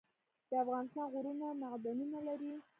د افغانستان غرونه معدنونه لري